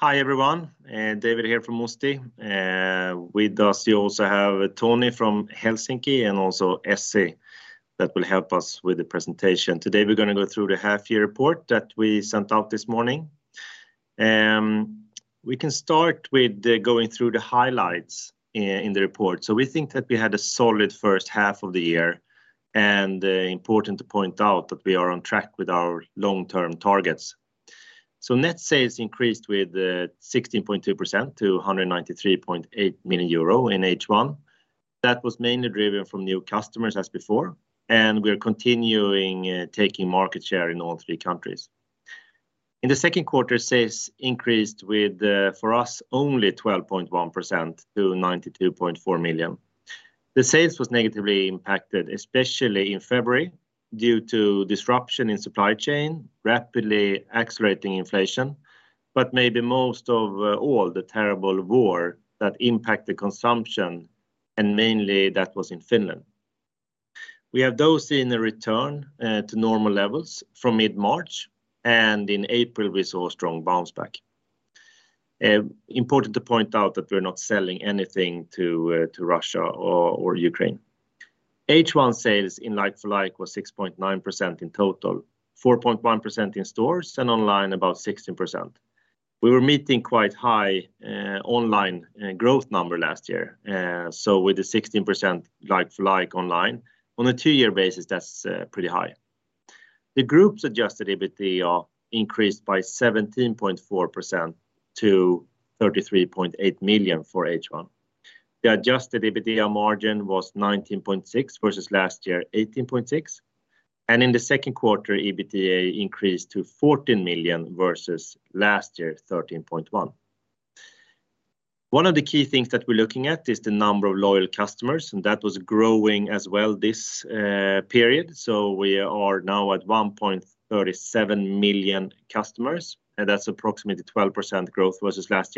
Hi everyone, David here from Musti. With us you also have Toni from Helsinki and also Essi that will help us with the presentation. Today we're gonna go through the half year report that we sent out this morning. We can start with going through the highlights in the report. We think that we had a solid first half of the year, and important to point out that we are on track with our long-term targets. Net sales increased with 16.2% to 193.8 million euro in H1. That was mainly driven from new customers as before, and we're continuing taking market share in all three countries. In the Q2, sales increased with, for us, only 12.1% to 92.4 million. The sales was negatively impacted, especially in February, due to disruption in supply chain, rapidly accelerating inflation, but maybe most of all the terrible war that impact the consumption and mainly that was in Finland. We have those in the return to normal levels from mid-March, and in April we saw a strong bounce back. Important to point out that we're not selling anything to Russia or Ukraine. H1 sales in like-for-like was 6.9% in total, 4.1% in stores and online about 16%. We were meeting quite high online growth number last year. With the 16% like-for-like online, on a two-year basis that's pretty high. The group's adjusted EBITDA increased by 17.4% to 33.8 million for H1. The adjusted EBITDA margin was 19.6% versus last year 18.6%. In the Q2, EBITDA increased to 14 million versus last year 13.1 million. One of the key things that we're looking at is the number of loyal customers, and that was growing as well this period, so we are now at 1.37 million customers, and that's approximately 12% growth versus last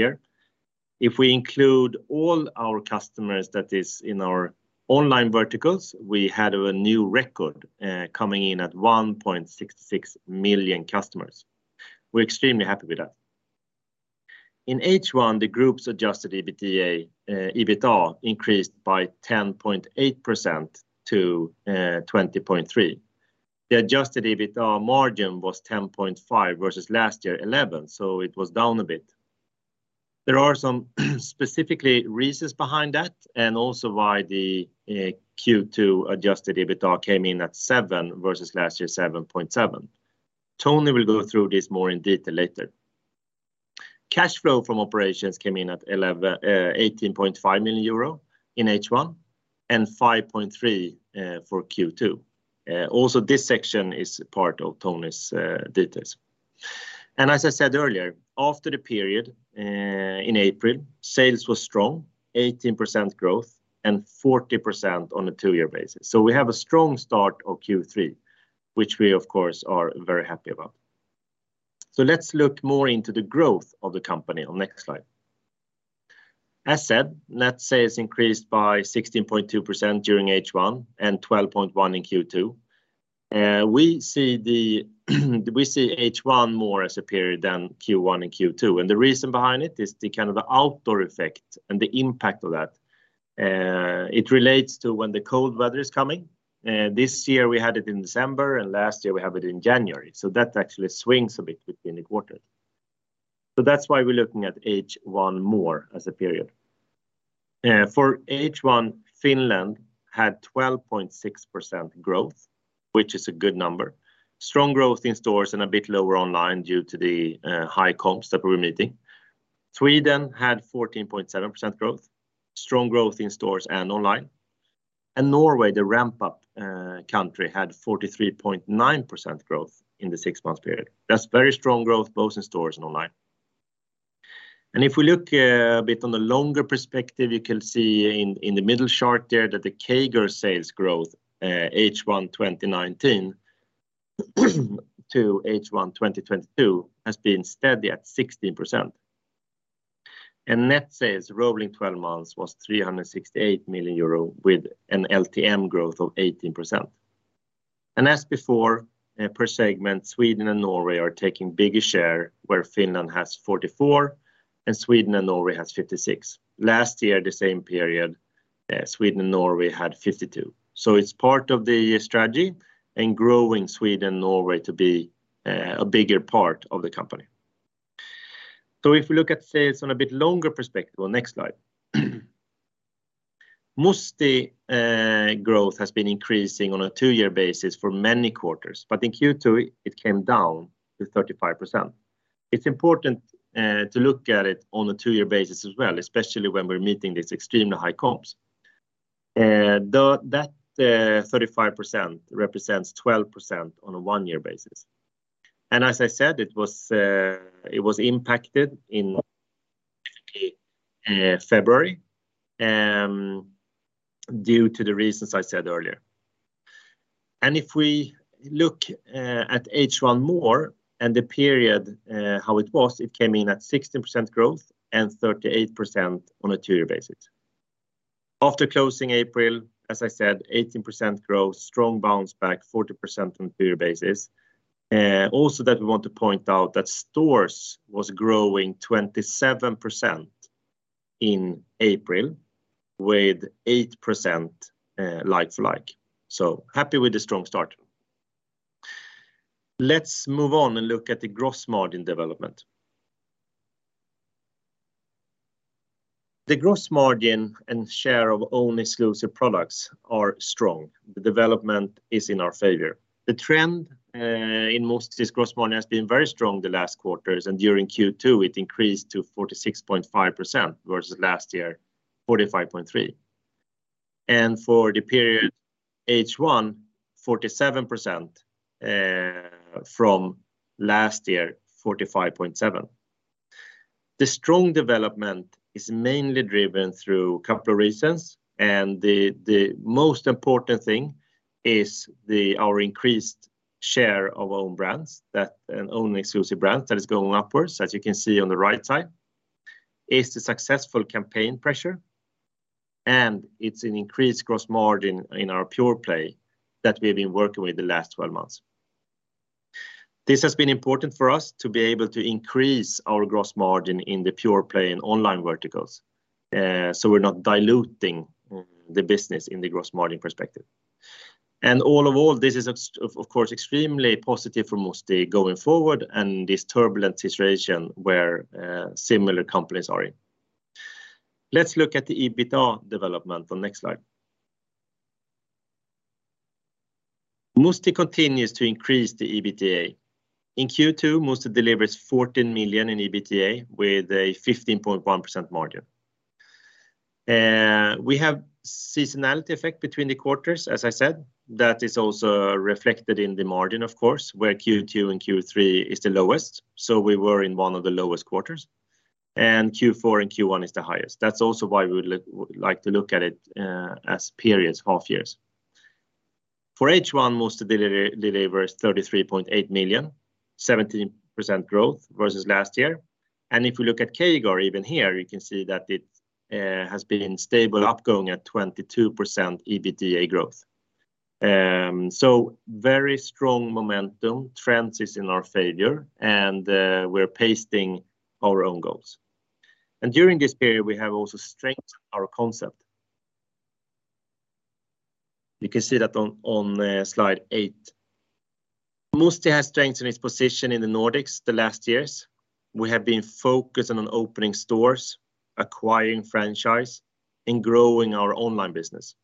year. If we include all our customers that is in our online verticals, we had a new record coming in at 1.66 million customers. We're extremely happy with that. In H1, the group's adjusted EBITDA increased by 10.8% to 20.3 million. The adjusted EBITDA margin was 10.5% versus last year 11%, so it was down a bit. There are some specific reasons behind that and also why the Q2 adjusted EBITDA came in at 7 million versus last year 7.7 million. Toni will go through this more in detail later. Cash flow from operations came in at 18.5 million euro in H1 and 5.3 million for Q2. Also this section is part of Toni's details. As I said earlier, after the period, in April, sales was strong, 18% growth and 40% on a two-year basis. We have a strong start of Q3, which we of course are very happy about. Let's look more into the growth of the company on next slide. As said, net sales increased by 16.2% during H1 and 12.1% in Q2. We see H1 more as a period than Q1 and Q2, and the reason behind it is the kind of outdoor effect and the impact of that. It relates to when the cold weather is coming, this year we had it in December and last year we have it in January, so that actually swings a bit between the quarters. That's why we're looking at H1 more as a period. For H1, Finland had 12.6% growth, which is a good number. Strong growth in stores and a bit lower online due to the high comps that we're meeting. Sweden had 14.7% growth, strong growth in stores and online. Norway, the ramp up country had 43.9% growth in the six-month period. That's very strong growth both in stores and online. If we look a bit on the longer perspective, you can see in the middle chart there that the CAGR sales growth H1 2019 to H1 2022 has been steady at 16%. Net sales rolling 12 months was 368 million euro with an LTM growth of 18%. As before, per segment, Sweden and Norway are taking bigger share where Finland has 44% and Sweden and Norway has 56%. Last year, the same period, Sweden and Norway had 52%. It's part of the strategy in growing Sweden and Norway to be a bigger part of the company. If we look at sales on a bit longer perspective on next slide. Musti growth has been increasing on a two-year basis for many quarters, but in Q2 it came down to 35%. It's important to look at it on a two-year basis as well, especially when we're meeting these extremely high comps. The 35% represents 12% on a one-year basis. As I said, it was impacted in February due to the reasons I said earlier. If we look at H1 more and the period how it was, it came in at 16% growth and 38% on a two-year basis. After closing April, as I said, 18% growth, strong bounce back, 40% on period basis. Also that we want to point out that stores was growing 27% in April with 8% like-for-like. Happy with the strong start. Let's move on and look at the gross margin development. The gross margin and share of own exclusive products are strong. The development is in our favor. The trend, in Musti's gross margin has been very strong the last quarters, and during Q2, it increased to 46.5% versus last year, 45.3%. For the period H1, 47%, from last year, 45.7%. The strong development is mainly driven through couple of reasons, and the most important thing is our increased share of our own brands. That and own exclusive brands that is going upwards, as you can see on the right side. It's the successful campaign pressure, and it's an increased gross margin in our pure play that we've been working with the last 12 months. This has been important for us to be able to increase our gross margin in the pure play and online verticals. We're not diluting the business in the gross margin perspective. This is, of course, extremely positive for Musti going forward in this turbulent situation where similar companies are in. Let's look at the EBITDA development on next slide. Musti continues to increase the EBITDA. In Q2, Musti delivers 14 million in EBITDA with a 15.1% margin. We have seasonality effect between the quarters, as I said. That is also reflected in the margin, of course, where Q2 and Q3 is the lowest. We were in one of the lowest quarters. Q4 and Q1 is the highest. That's also why we would like to look at it as periods, half years. For H1, Musti delivers 33.8 million, 17% growth versus last year. If you look at CAGR, even here, you can see that it has been stably growing at 22% EBITDA growth. Very strong momentum trends are in our favor and we're pacing our own goals. During this period, we have also strengthened our concept. You can see that on slide eight. Musti has strengthened its position in the Nordics the last years. We have been focusing on opening stores, acquiring franchise, and growing our online business.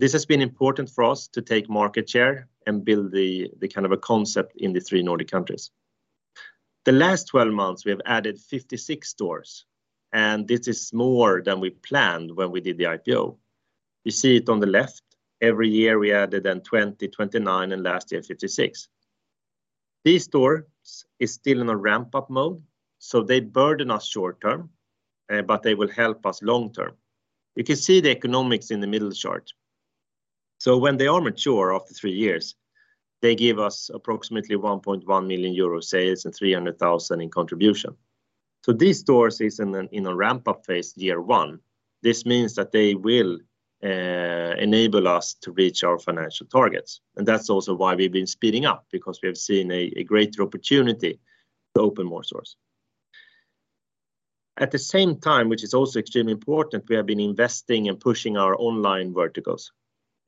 This has been important for us to take market share and build the kind of a concept in the three Nordic countries. The last 12 months, we have added 56 stores, and this is more than we planned when we did the IPO. You see it on the left. Every year, we added then 20, 29, and last year, 56. These stores is still in a ramp-up mode, so they burden us short term, but they will help us long term. You can see the economics in the middle chart. When they are mature after three years, they give us approximately 1.1 million euro sales and 300,000 in contribution. These stores is in a ramp-up phase, year one. This means that they will enable us to reach our financial targets. That's also why we've been speeding up because we have seen a greater opportunity to open more stores. At the same time, which is also extremely important, we have been investing and pushing our online verticals.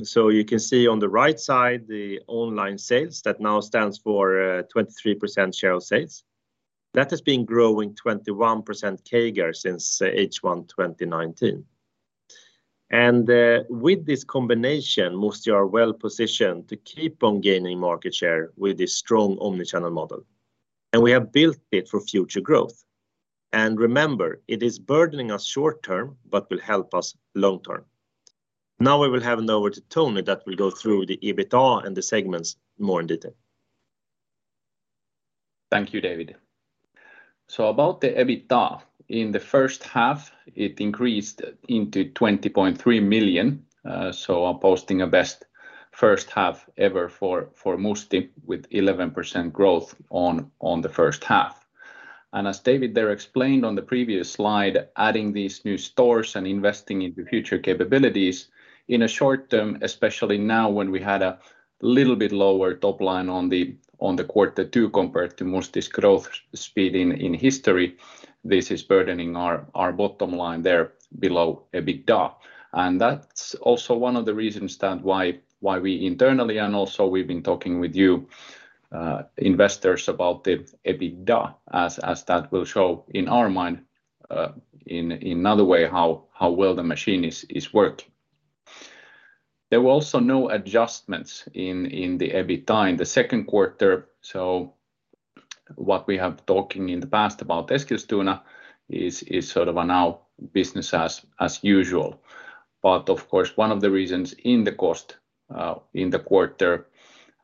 You can see on the right side, the online sales that now stands for 23% share of sales. That has been growing 21% CAGR since H1 2019. With this combination, Musti are well positioned to keep on gaining market share with this strong omni-channel model. We have built it for future growth. Remember, it is burdening us short term but will help us long term. Now we will hand over to Toni that will go through the EBITDA and the segments more in detail. Thank you, David. About the EBITDA, in the first half, it increased to 20.3 million, posting a best first half ever for Musti with 11% growth on the first half. As David there explained on the previous slide, adding these new stores and investing into future capabilities in a short term, especially now when we had a little bit lower top line on the Q2 compared to Musti's growth speed in history, this is burdening our bottom line there below EBITDA. That's also one of the reasons that why we internally and also we've been talking with you, investors about the EBITDA, as that will show in our mind, in other way how well the machine is working. There were also no adjustments in the EBITDA in the Q2. What we have been talking in the past about Eskilstuna is now sort of business as usual. Of course, one of the reasons for the costs in the quarter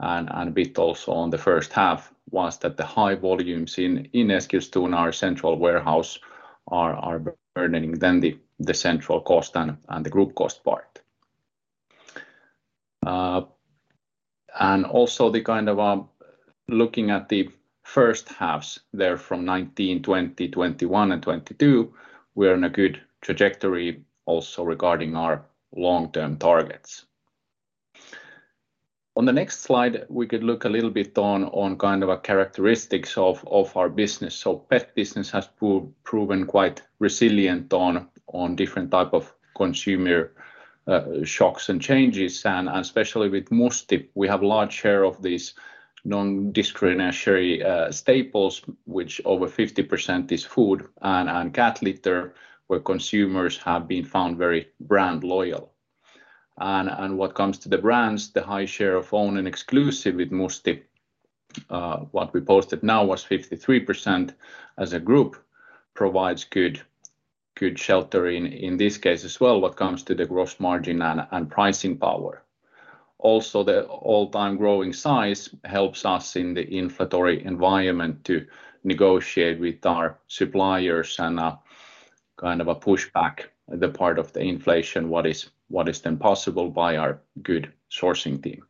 and a bit also in the first half was that the high volumes in Eskilstuna, our central warehouse, are burdening the central cost and the group cost part. Also, kind of looking at the first halves from 2019, 2020, 2021 and 2022, we are in a good trajectory also regarding our long-term targets. On the next slide, we could look a little bit on kind of the characteristics of our business. Pet business has proven quite resilient on different type of consumer shocks and changes, and especially with Musti, we have large share of these non-discretionary staples, which over 50% is food and cat litter, where consumers have been found very brand loyal. When it comes to the brands, the high share of own and exclusive with Musti, what we posted now was 53% as a group, provides good shelter in this case as well, when it comes to the gross margin and pricing power. Also, the ever-growing size helps us in the inflationary environment to negotiate with our suppliers and kind of push back the part of the inflation what is then possible by our good sourcing team.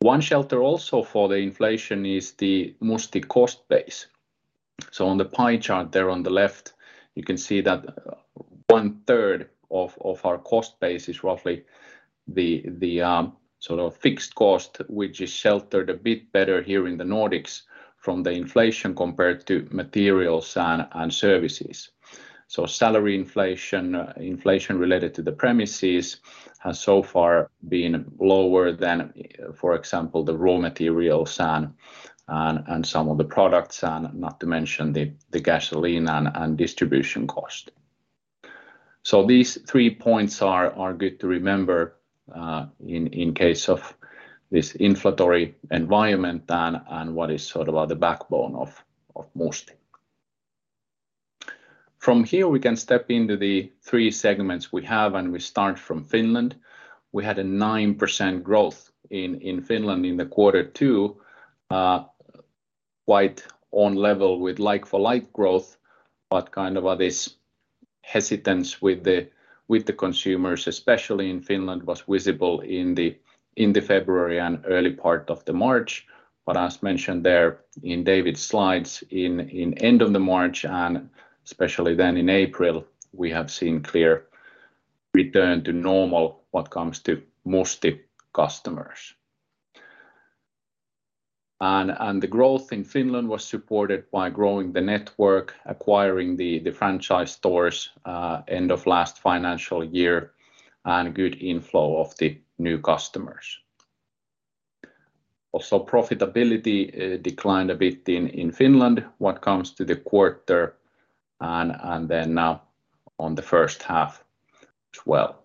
One shelter also for the inflation is the Musti cost base. On the pie chart there on the left, you can see that one-third of our cost base is roughly the sort of fixed cost, which is sheltered a bit better here in the Nordics from the inflation compared to materials and services. Salary inflation related to the premises has so far been lower than, for example, the raw materials and some of the products, and not to mention the gasoline and distribution cost. These three points are good to remember in case of this inflationary environment and what is sort of the backbone of Musti. From here, we can step into the three segments we have, and we start from Finland. We had 9% growth in Finland in Q2, quite on level with like-for-like growth, but kind of this hesitance with the consumers, especially in Finland, was visible in the February and early part of March. As mentioned there in David's slides, in the end of March and especially then in April, we have seen clear return to normal what comes to Musti customers. The growth in Finland was supported by growing the network, acquiring the franchise stores end of last financial year, and good inflow of the new customers. Also profitability declined a bit in Finland what comes to the quarter and then now on the first half as well.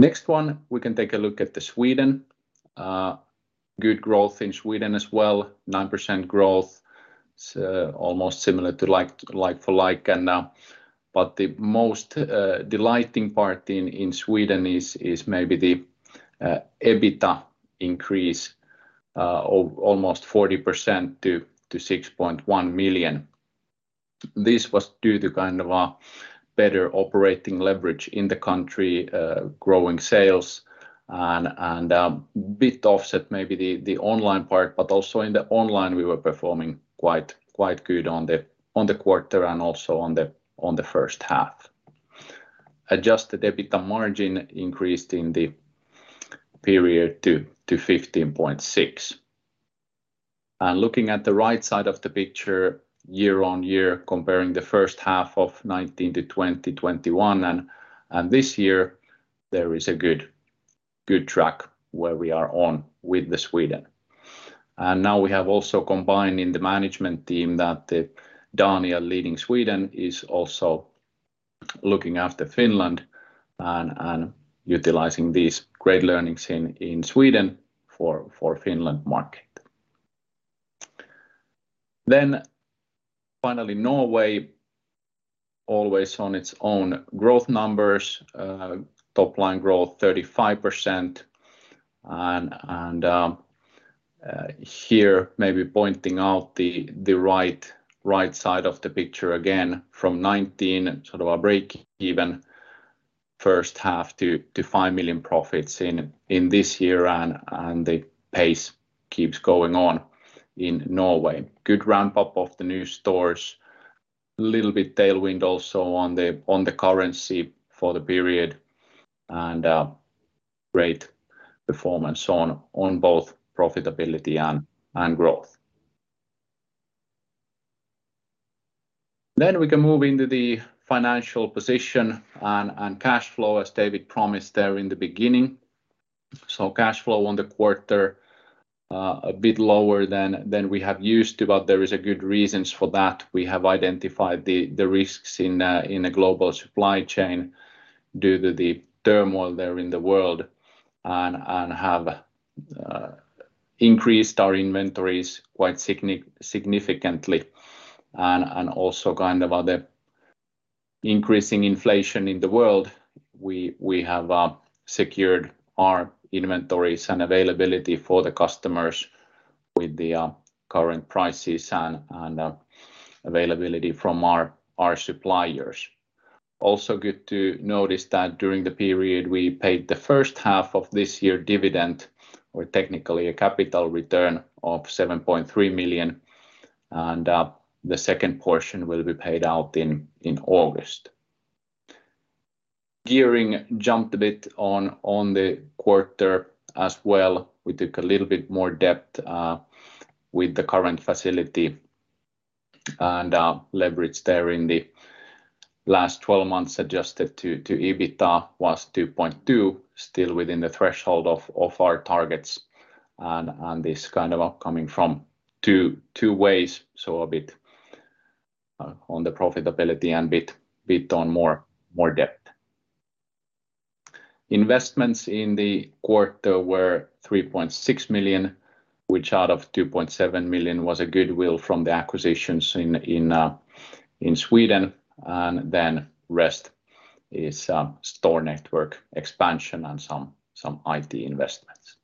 Next, we can take a look at Sweden. Good growth in Sweden as well, 9% growth. It's almost similar to like for like. But the most delighting part in Sweden is maybe the EBITDA increase of almost 40% to 6.1 million. This was due to kind of a better operating leverage in the country, growing sales and bit offset maybe the online part, but also in the online we were performing quite good on the quarter and also on the first half. Adjusted EBITDA margin increased in the period to 15.6%. Looking at the right side of the picture, year-on-year, comparing the first half of 2019 to 2020, 2021 and this year, there is a good track where we are on with Sweden. Now we have also combined in the management team that Daniel leading Sweden is also looking after Finland and utilizing these great learnings in Sweden for Finland market. Finally Norway, always on its own growth numbers, top line growth 35%. Here maybe pointing out the right side of the picture again from 2019, sort of a break even first half to 5 million profits in this year and the pace keeps going on in Norway. Good ramp-up of the new stores. Little bit tailwind also on the currency for the period. Great performance on both profitability and growth. We can move into the financial position and cash flow, as David promised there in the beginning. Cash flow on the quarter a bit lower than we have used to, but there is a good reasons for that. We have identified the risks in a global supply chain due to the turmoil there in the world and have increased our inventories quite significantly. Also kind of the increasing inflation in the world, we have secured our inventories and availability for the customers with the current prices and availability from our suppliers. Also good to notice that during the period we paid the first half of this year dividend, or technically a capital return of 7.3 million, and the second portion will be paid out in August. Gearing jumped a bit on the quarter as well. We took a little bit more debt with the current facility, and leverage there in the last 12 months adjusted to EBITA was 2.2 million, still within the threshold of our targets and this kind of coming up from two ways, so a bit on the profitability and bit on more debt. Investments in the quarter were 3.6 million, which out of 2.7 million was goodwill from the acquisitions in Sweden, and then rest is store network expansion and some IT investments.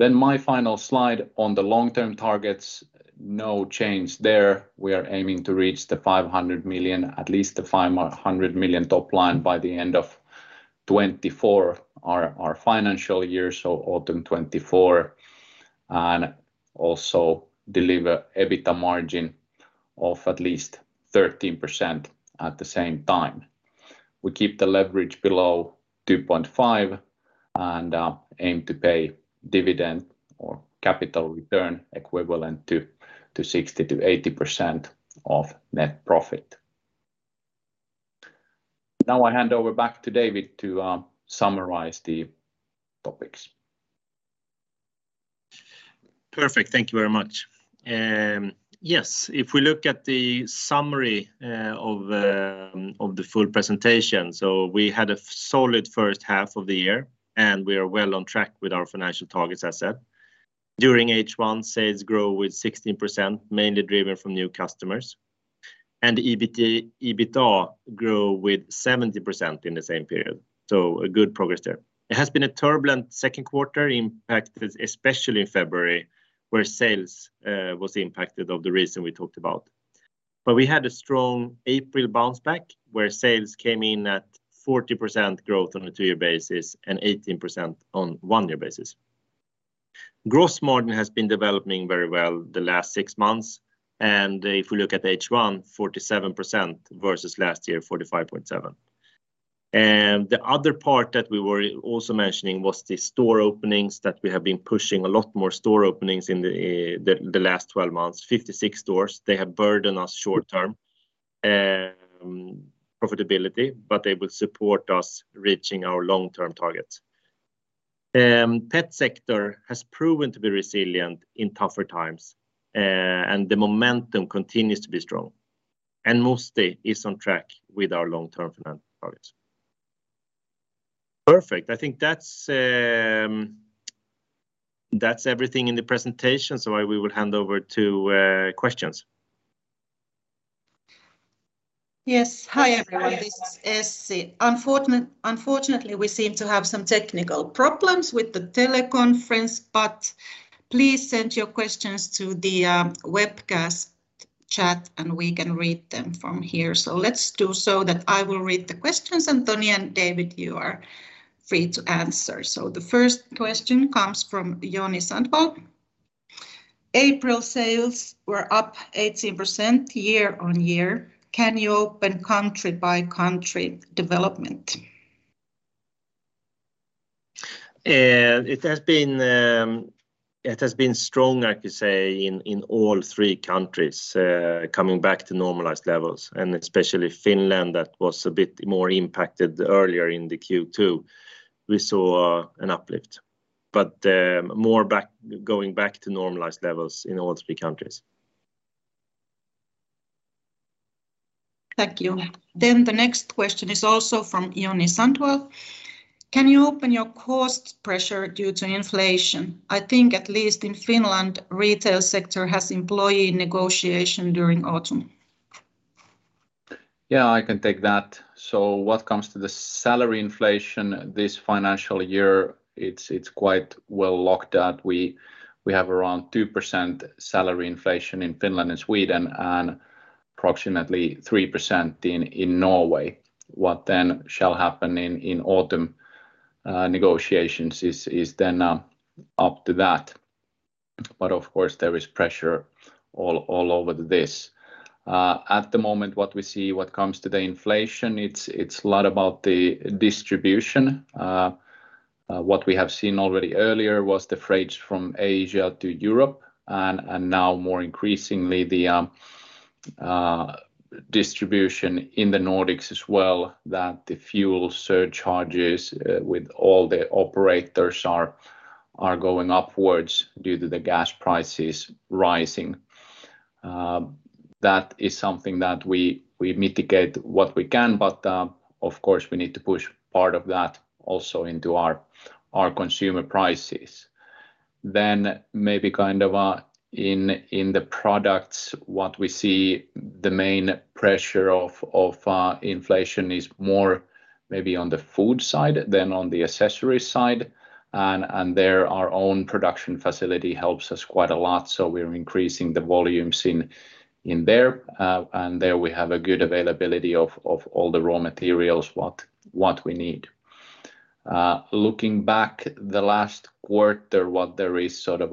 My final slide on the long-term targets, no change there. We are aiming to reach 500 million top line by the end of 2024, our financial year, so autumn 2024, and also deliver EBITA margin of at least 13% at the same time. We keep the leverage below 2.5 million, and aim to pay dividend or capital return equivalent to 60% to 80% of net profit. Now I hand over back to David to summarize the topics. Perfect. Thank you very much. Yes, if we look at the summary of the full presentation, we had a solid first half of the year, and we are well on track with our financial targets, as said. During H1, sales grow with 16%, mainly driven from new customers. EBIT, EBITA grew with 70% in the same period, so a good progress there. It has been a turbulent Q2, impacted especially February, where sales was impacted by the reason we talked about. We had a strong April bounce back, where sales came in at 40% growth on a two-year basis and 18% on one-year basis. Gross margin has been developing very well the last six months, and if we look at H1, 47% versus last year, 45.7%. The other part that we were also mentioning was the store openings, that we have been pushing a lot more store openings in the last 12 months. 56 stores. They have burdened us short-term profitability, but they will support us reaching our long-term targets. Pet sector has proven to be resilient in tougher times, and the momentum continues to be strong. Musti is on track with our long-term financial targets. Perfect. I think that's everything in the presentation, so I will hand over to questions. Yes. Hi, everyone. This is Essi. Unfortunately, we seem to have some technical problems with the teleconference, but please send your questions to the webcast chat, and we can read them from here. Let's do so that I will read the questions, and Toni and David, you are free to answer. The first question comes from Joni Sandvall. April sales were up 18% year-on-year. Can you open country-by-country development? It has been strong, I could say, in all three countries, coming back to normalized levels, and especially Finland that was a bit more impacted earlier in the Q2. We saw an uplift, but going back to normalized levels in all three countries. Thank you. The next question is also from Joni Sandvall. Can you open your cost pressure due to inflation? I think at least in Finland, retail sector has employee negotiation during autumn. Yeah, I can take that. What comes to the salary inflation this financial year, it's quite well locked down. We have around 2% salary inflation in Finland and Sweden, and approximately 3% in Norway. What then shall happen in autumn negotiations is then up to that. But of course, there is pressure all over this. At the moment, what we see comes to the inflation, it's a lot about the distribution. What we have seen already earlier was the freights from Asia to Europe and now more increasingly the distribution in the Nordics as well, that the fuel surcharges with all the operators are going upwards due to the gas prices rising. That is something that we mitigate what we can, but of course, we need to push part of that also into our consumer prices. Maybe kind of in the products, what we see the main pressure of inflation is more maybe on the food side than on the accessory side. There our own production facility helps us quite a lot, so we're increasing the volumes in there. There we have a good availability of all the raw materials what we need. Looking back the last quarter, what there is sort of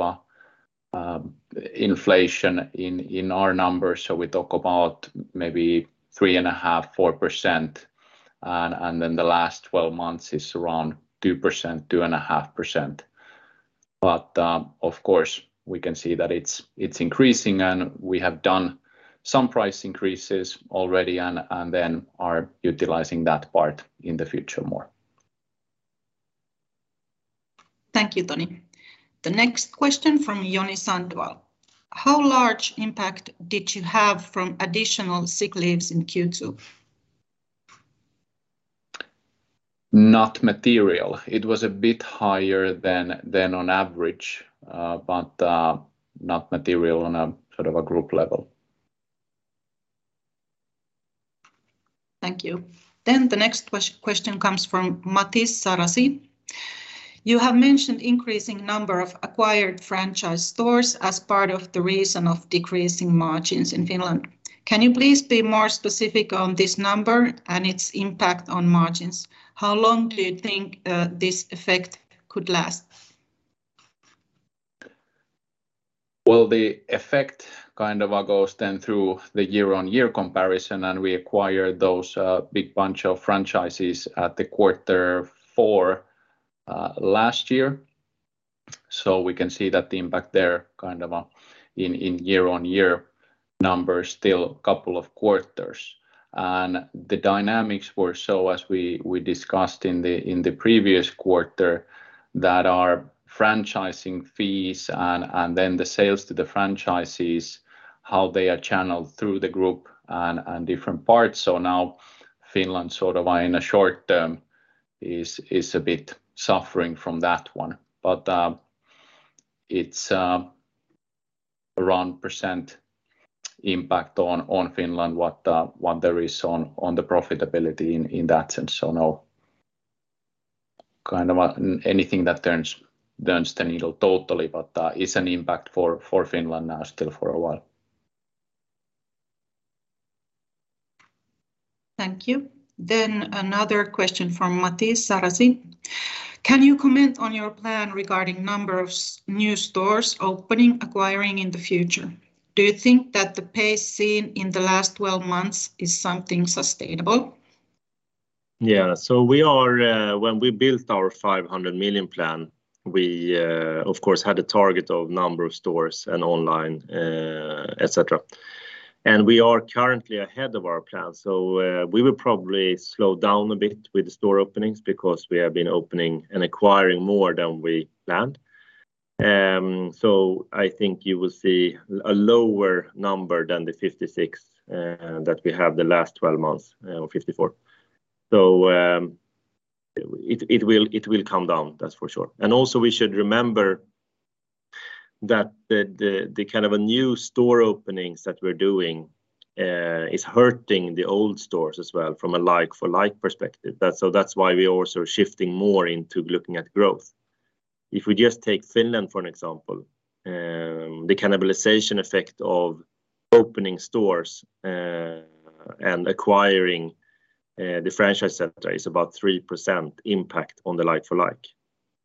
an inflation in our numbers. We talk about maybe 3.5% to 4%. Then the last 12 months is around 2% to 2.5%. Of course, we can see that it's increasing and we have done some price increases already and then are utilizing that part in the future more. Thank you, Toni. The next question from Joni Sandvall: How large an impact did you have from additional sick leaves in Q2? Not material. It was a bit higher than on average, but not material on a sort of a group level. Thank you. The next question comes from Matias Sarasti: You have mentioned increasing number of acquired franchise stores as part of the reason of decreasing margins in Finland. Can you please be more specific on this number and its impact on margins? How long do you think this effect could last? Well, the effect kind of goes then through the year-on-year comparison, and we acquired those big bunch of franchises at the quarter four last year. We can see that the impact there kind of in year-on-year numbers still couple of quarters. The dynamics were so as we discussed in the previous quarter, that our franchising fees and then the sales to the franchisees, how they are channeled through the group and different parts. Now Finland sort of in a short term is a bit suffering from that one. It's around percent impact on Finland what there is on the profitability in that sense. No kind of anything that turns the needle totally, but it's an impact for Finland now still for a while. Thank you. Another question from Matias Sarasti: Can you comment on your plan regarding number of new stores opening, acquiring in the future? Do you think that the pace seen in the last 12 months is something sustainable? When we built our 500 million plan, we of course had a target of number of stores and online, et cetera. We are currently ahead of our plan. We will probably slow down a bit with the store openings because we have been opening and acquiring more than we planned. I think you will see a lower number than the 56 that we have the last 12 months or 54. It will come down, that's for sure. Also we should remember that the kind of a new store openings that we're doing is hurting the old stores as well from a like-for-like perspective. That's why we're also shifting more into looking at growth. If we just take Finland, for example, the cannibalization effect of opening stores and acquiring the franchise center is about 3% impact on the like-for-like.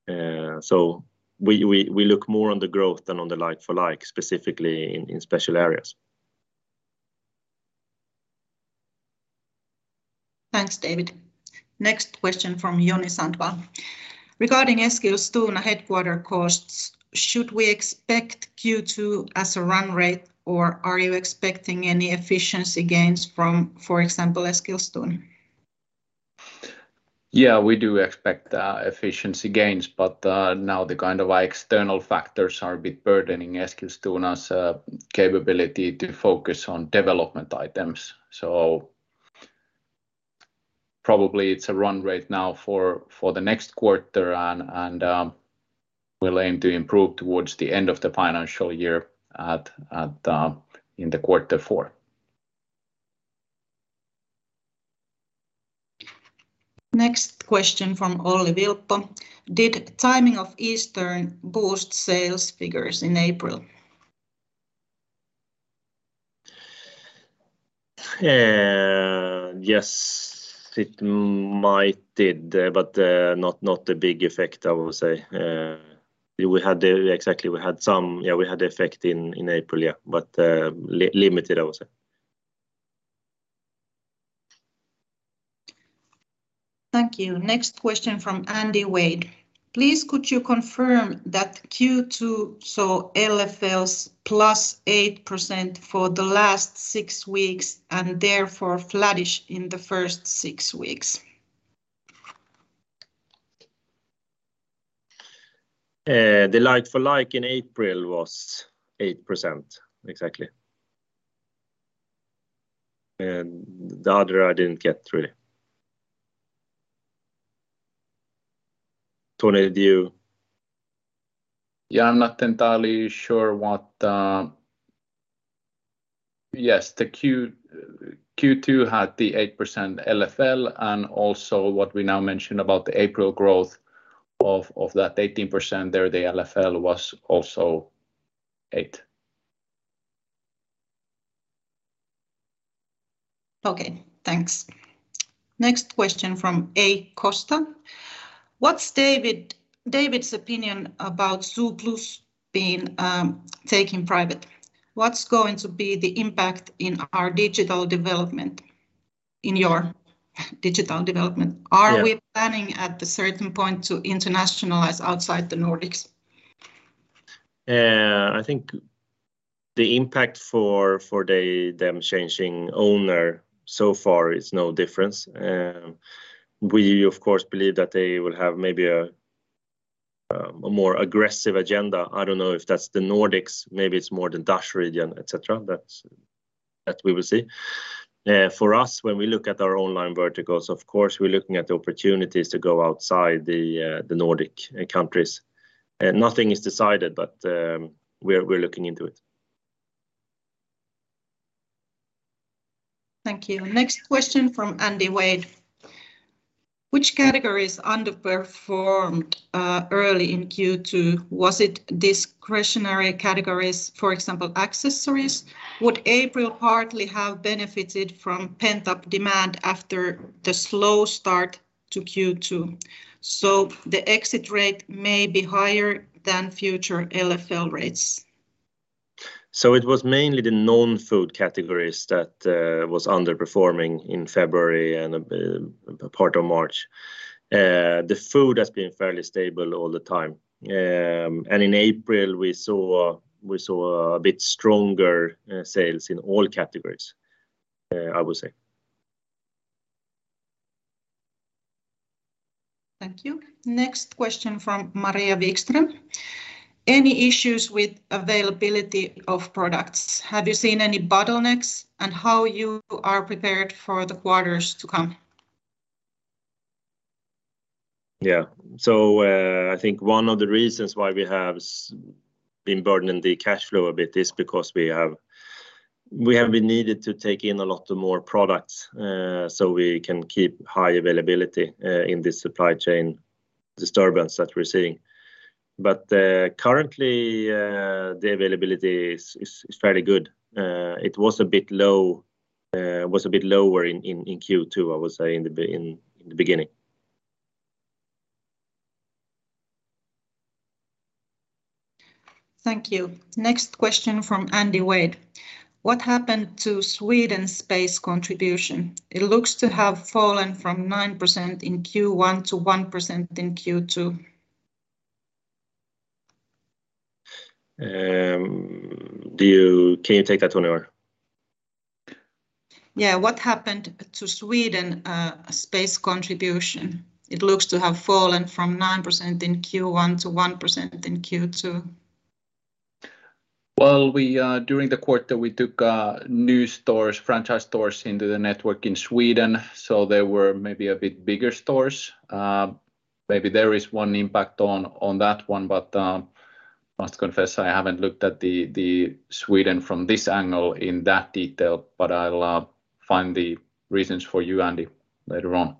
We look more on the growth than on the like-for-like, specifically in special areas. Thanks, David. Next question from Joni Sandvall: Regarding Eskilstuna headquarters costs, should we expect Q2 as a run rate or are you expecting any efficiency gains from, for example, Eskilstuna? Yeah, we do expect efficiency gains, but now the kind of external factors are a bit burdening Eskilstuna's capability to focus on development items. Probably it's a run rate now for the next quarter and we'll aim to improve towards the end of the financial year at in the Q4. Next question from Olli Vilppo: Did timing of Easter boost sales figures in April? Yes, it might did, but not a big effect, I would say. We had the effect in April, but limited, I would say. Thank you. Next question from Andy Wade: Please could you confirm that Q2 saw LFLs +8% for the last six weeks and therefore flattish in the first six weeks? The like for like in April was 8%, exactly. The other I didn't get really. Toni, do you? Yeah, not entirely sure what the. Yes, the Q2 had the 8% LFL and also what we now mentioned about the April growth of that 18% there, the LFL was also 8%. Okay, thanks. Next question from A. Costa. What's David's opinion about Zooplus being taken private? What's going to be the impact in your digital development? Yeah. Are we planning at a certain point to internationalize outside the Nordics? I think the impact for them changing owner so far is no difference. We of course believe that they will have maybe a more aggressive agenda. I don't know if that's the Nordics, maybe it's more the Dutch region, et cetera. That we will see. For us, when we look at our online verticals, of course we're looking at the opportunities to go outside the Nordic countries. Nothing is decided, but we're looking into it. Thank you. Next question from Andy Wade. Which categories underperformed early in Q2? Was it discretionary categories, for example, accessories? Would April hardly have benefited from pent-up demand after the slow start to Q2? The exit rate may be higher than future LFL rates. It was mainly the non-food categories that was underperforming in February and a part of March. The food has been fairly stable all the time. In April we saw a bit stronger sales in all categories, I would say. Thank you. Next question from Maria Wikstrom. Any issues with availability of products? Have you seen any bottlenecks, and how you are prepared for the quarters to come? I think one of the reasons why we have been burdening the cash flow a bit is because we have been needed to take in a lot more products so we can keep high availability in this supply chain disturbance that we're seeing. Currently, the availability is fairly good. It was a bit lower in Q2, I would say, in the beginning. Thank you. Next question from Andy Wade. What happened to Sweden space contribution? It looks to have fallen from 9% in Q1 to 1% in Q2. Can you take that one, Toni? Yeah. What happened to Sweden space contribution? It looks to have fallen from 9% in Q1 to 1% in Q2. Well, during the quarter, we took new stores, franchise stores into the network in Sweden, so they were maybe a bit bigger stores. Maybe there is one impact on that one, but I must confess I haven't looked at the Sweden from this angle in that detail, but I'll find the reasons for you, Andy, later on.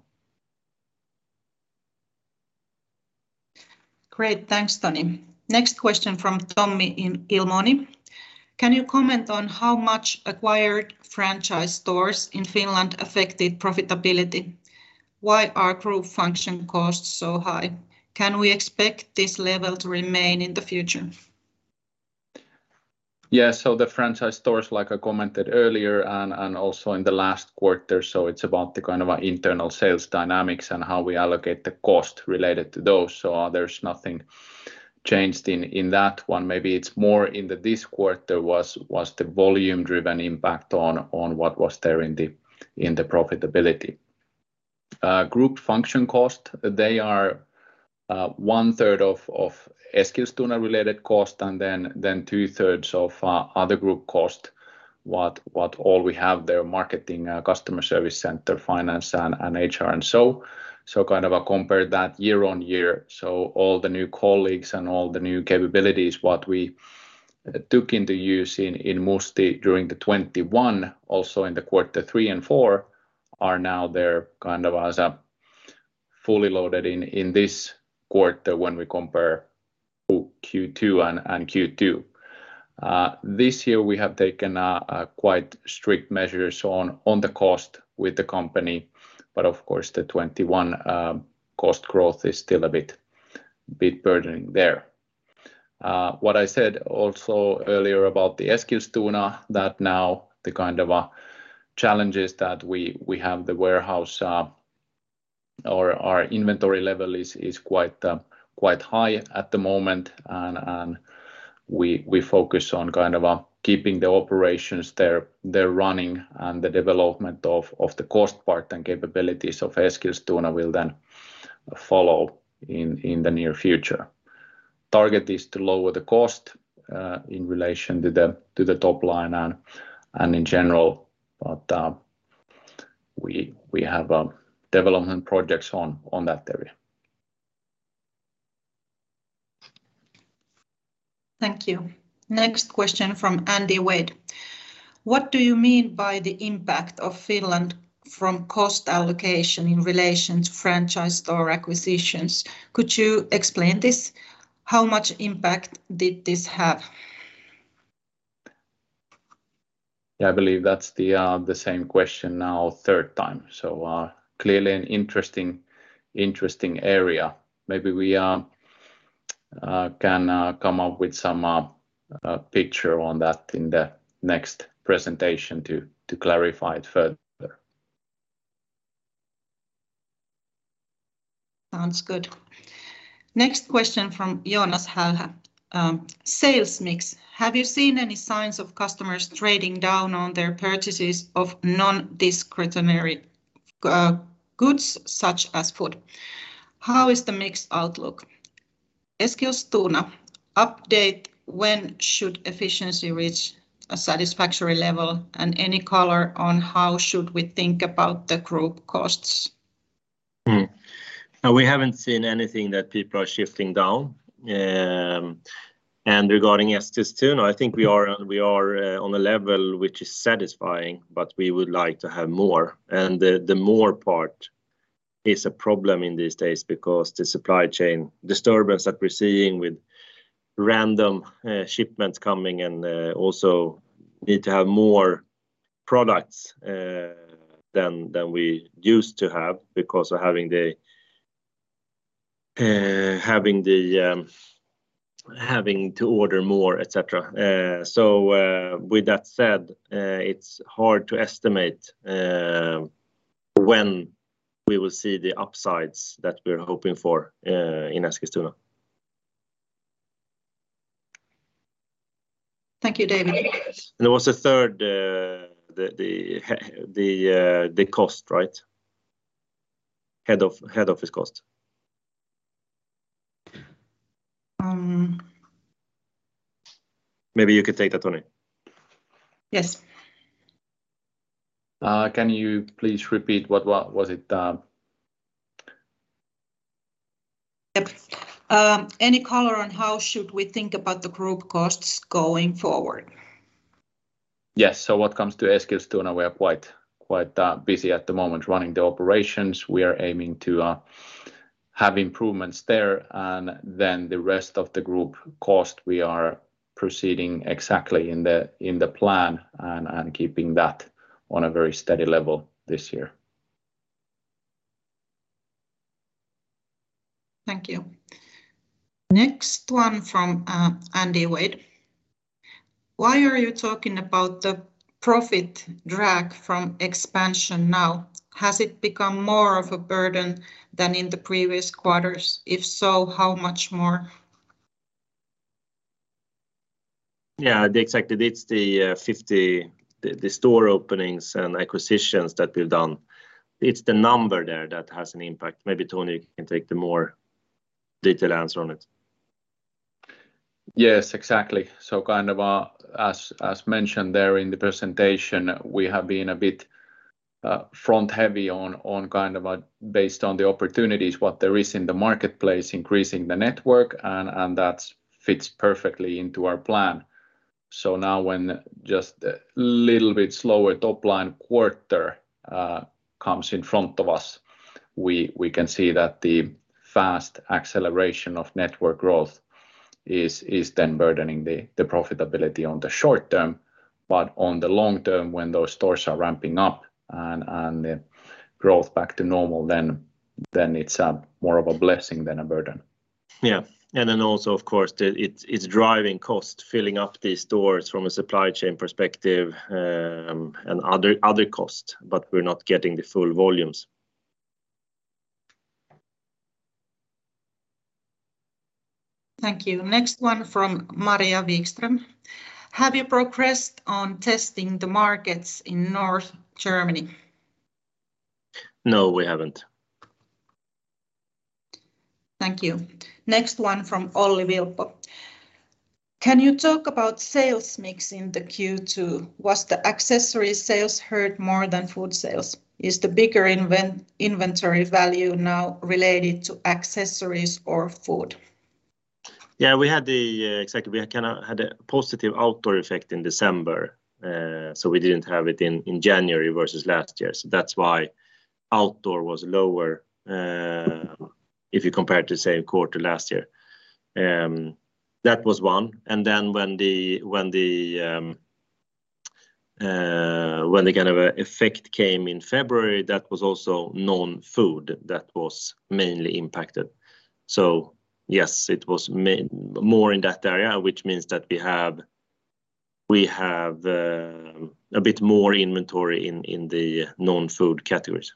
Great. Thanks, Toni. Next question from Tommy Ilmoni. Can you comment on how much acquired franchise stores in Finland affected profitability? Why are group function costs so high? Can we expect this level to remain in the future? Yeah. The franchise stores, like I commented earlier and also in the last quarter, it's about the kind of internal sales dynamics and how we allocate the cost related to those. There's nothing changed in that one. Maybe it's more in this quarter was the volume-driven impact on what was there in the profitability. Group function cost, they are one-third of Eskilstuna related cost and then two-thirds of other group cost, what all we have there, marketing, customer service center, finance and HR. Kind of compare that year-on-year. All the new colleagues and all the new capabilities, what we took into use in Musti during the 2021, also in the Q3 and Q4, are now there kind of as a fully loaded in this quarter when we compare Q1 to Q2 and Q2. This year we have taken quite strict measures on the cost with the company, but of course the 2021 cost growth is still a bit burdening there. What I said also earlier about the Eskilstuna, that now the kind of challenges that we have the warehouse or our inventory level is quite high at the moment and we focus on kind of keeping the operations there running and the development of the cost part and capabilities of Eskilstuna will then follow in the near future. Target is to lower the cost in relation to the top line and in general, but we have development projects on that area. Thank you. Next question from Andy Wade. What do you mean by the impact of Finland from cost allocation in relation to franchise store acquisitions? Could you explain this? How much impact did this have? Yeah, I believe that's the same question now the third time. Clearly an interesting area. Maybe we can picture on that in the next presentation to clarify it further. Sounds good. Next question from Joonas Hälhä. Sales mix, have you seen any signs of customers trading down on their purchases of non-discretionary goods such as food? How is the mix outlook? Eskilstuna update, when should efficiency reach a satisfactory level? Any color on how should we think about the group costs? No, we haven't seen anything that people are shifting down. Regarding Eskilstuna, I think we are on a level which is satisfying, but we would like to have more. The more part is a problem in these days because the supply chain disturbance that we're seeing with random shipments coming and also need to have more products than we used to have because of having to order more, et cetera. With that said, it's hard to estimate when we will see the upsides that we're hoping for in Eskilstuna. Thank you, David. There was a third, the cost, right? Head office cost. Um. Maybe you could take that, Toni. Yes. Can you please repeat what was it? Yep. Any color on how should we think about the group costs going forward? Yes. What comes to Eskilstuna, we are quite busy at the moment running the operations. We are aiming to have improvements there. Then the rest of the group costs, we are proceeding exactly in the plan and keeping that on a very steady level this year. Thank you. Next one from Andy Wade. Why are you talking about the profit drag from expansion now? Has it become more of a burden than in the previous quarters? If so, how much more? Yeah, exactly. It's the store openings and acquisitions that we've done. It's the number there that has an impact. Maybe Toni can take the more detailed answer on it. Yes, exactly. Kind of, as mentioned there in the presentation, we have been a bit front heavy on kind of based on the opportunities, what there is in the marketplace, increasing the network and that fits perfectly into our plan. Now when just a little bit slower top line quarter comes in front of us, we can see that the fast acceleration of network growth is then burdening the profitability on the short term. On the long term, when those stores are ramping up and the growth back to normal, then it's more of a blessing than a burden. Yeah. Also, of course, it's driving cost, filling up these stores from a supply chain perspective, and other costs, but we're not getting the full volumes. Thank you. Next one from Maria Wikström. Have you progressed on testing the markets in North Germany? No, we haven't. Thank you. Next one from Olli Vilppo. Can you talk about sales mix in the Q2? Was the accessory sales hurt more than food sales? Is the bigger inventory value now related to accessories or food? Yeah, exactly, we kinda had a positive outdoor effect in December. We didn't have it in January versus last year. That's why outdoor was lower, if you compare it to the same quarter last year. That was one. When the kind of effect came in February, that was also non-food that was mainly impacted. Yes, it was more in that area, which means that we have a bit more inventory in the non-food categories.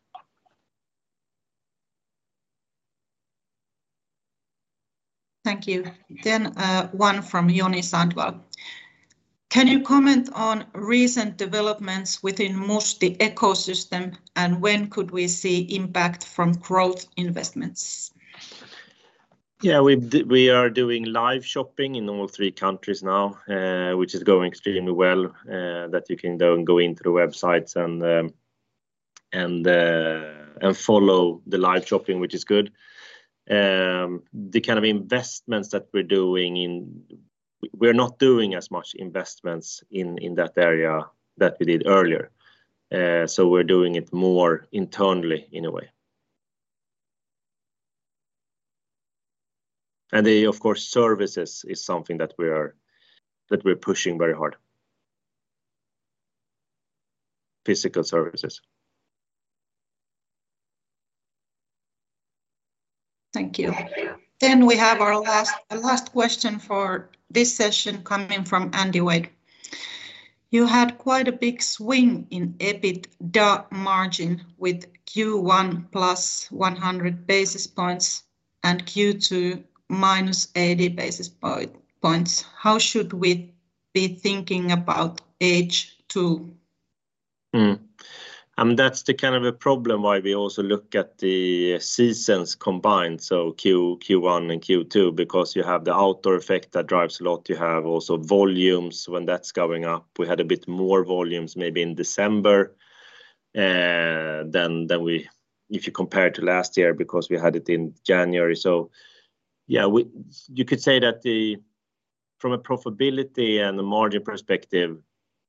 Thank you. One from Joni Sandvall. Can you comment on recent developments within Musti ecosystem, and when could we see impact from growth investments? Yeah, we are doing live shopping in all three countries now, which is going extremely well, that you can go in through websites and follow the live shopping, which is good. The kind of investments that we're doing. We're not doing as much investments in that area that we did earlier. So we're doing it more internally in a way. Of course, services is something that we're pushing very hard. Physical services. Thank you. We have our last question for this session coming from Andy Wade. You had quite a big swing in EBITDA margin with Q1 plus 100 basis points and Q2 minus 80 basis points. How should we be thinking about H2? That's the kind of a problem why we also look at the seasons combined, so Q1 and Q2, because you have the outdoor effect that drives a lot. You have also volumes when that's going up. We had a bit more volumes maybe in December than if you compare to last year, because we had it in January. You could say that from a profitability and a margin perspective,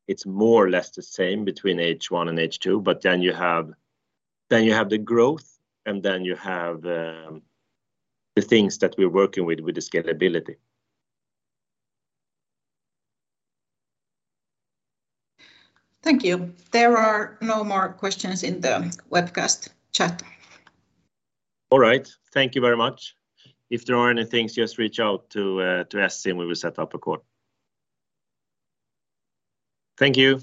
it's more or less the same between H1 and H2, but then you have the growth, and then you have the things that we're working with the scalability. Thank you. There are no more questions in the webcast chat. All right. Thank you very much. If there are any things, just reach out to Essi and we will set up a call. Thank you.